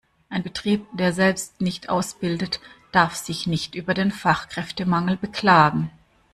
Ein Betrieb, der selbst nicht ausbildet, darf sich nicht über den Fachkräftemangel beklagen.